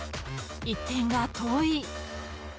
［１点が遠い］